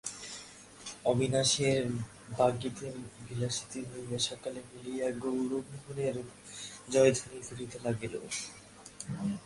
অবিনাশের বাগ্মিতায় বিচলিত হইয়া সকলে মিলিয়া গৌরমোহনের জয়ধ্বনি করিতে লাগিল।